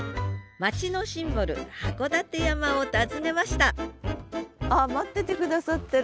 町のシンボル函館山を訪ねましたあっ待ってて下さってる。